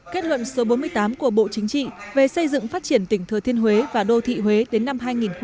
kết luận số bốn mươi tám của bộ chính trị về xây dựng phát triển tỉnh thừa thiên huế và đô thị huế đến năm hai nghìn hai mươi